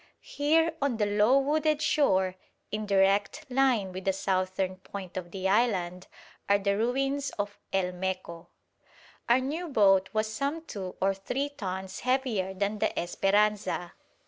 Here on the low wooded shore, in direct line with the southern point of the island, are the ruins of El Meco. Our new boat was some two or three tons heavier than the "Esperanza."